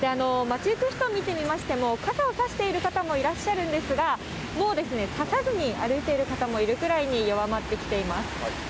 街行く人を見てみましても、傘を差してる方もいらっしゃるんですが、もう差さずに歩いてる方もいるくらいに弱まってきています。